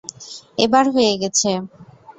এবার হয়ে গেছে।